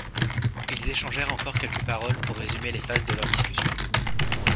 Ils échangèrent encore quelques paroles pour résumer les phases de leur discussion.